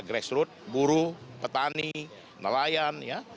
grassroots buruh petani nelayan ya